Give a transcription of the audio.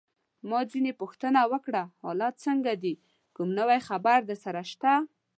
ما ځینې پوښتنه وکړه: حالات څنګه دي؟ کوم نوی خبر درسره شته؟